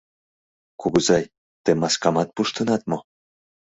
— Кугызай, тый маскамат пуштынат мо?